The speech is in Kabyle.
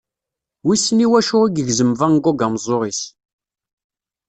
Wissen i wacu i yegzem Van Gogh ameẓẓuɣ-is.